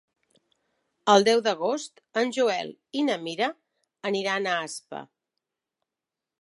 El deu d'agost en Joel i na Mira aniran a Aspa.